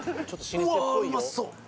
うわうまそう。